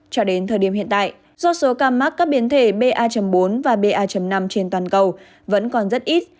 cho đến thời điểm hiện tại do số ca mắc các biến thể ba bốn và ba năm trên toàn cầu vẫn còn rất ít